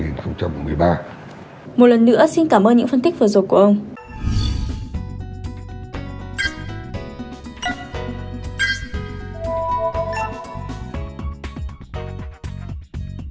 một lần nữa xin cảm ơn những phân tích vừa rồi của ông